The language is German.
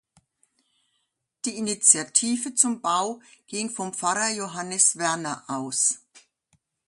Die Initiative zum Bau ging vom Pfarrer Johannes Werner aus.